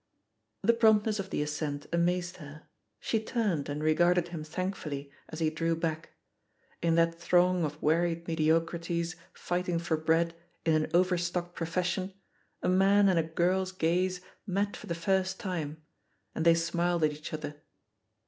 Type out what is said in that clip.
The promptness of the assent amazed her. She turned and regarded him thankfully as he drew back. In that throng of wearied mediocri ties fighting for bread in an overstocked prof es fiion, a man and a girl's gaze met for the first time, and they smiled at each other.